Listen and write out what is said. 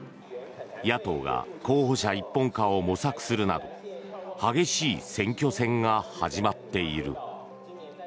野党が候補者一本化を模索するなど激しい選挙戦が始まっている。